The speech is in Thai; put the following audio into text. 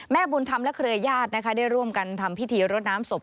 แม่บุญธรรมและเครือยาศได้ร่วมกันทำพิธีรดน้ำศพ